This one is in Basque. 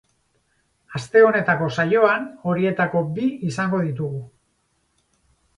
Aste honetako saioan horietako bi izango ditugu.